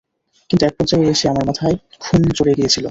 কিন্তু এক পর্যায়ে এসে আমার মাথায় খুন চড়ে গিয়েছিল।